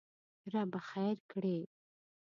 ربه خېر کړې!